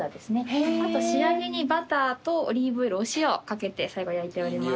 あと仕上げにバターとオリーブオイルお塩掛けて最後焼いております。